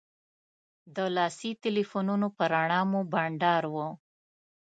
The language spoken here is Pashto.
د لاسي تیلفونو په رڼا مو بنډار و.